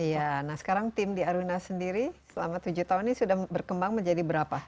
iya nah sekarang tim di aruna sendiri selama tujuh tahun ini sudah berkembang menjadi berapa